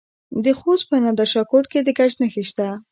د خوست په نادر شاه کوټ کې د ګچ نښې شته.